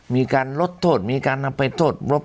มีการลดโทษมีการนำไปโทษลบ